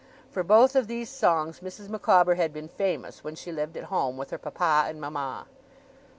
For both of these songs Mrs. Micawber had been famous when she lived at home with her papa and mama.